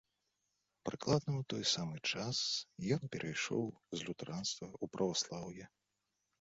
Прыкладна ў той самы час ён перайшоў з лютэранства ў праваслаўе.